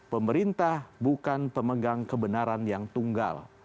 pemerintah bukan pemegang kebenaran yang tunggal